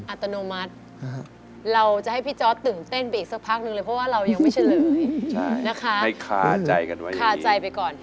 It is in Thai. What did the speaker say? อัตโนมัติเราจะให้พี่จอสตื่นเต้นไปอีกสักพักนึงเลยเพราะว่าเรายังไม่เฉลยนะคะขาใจไปก่อน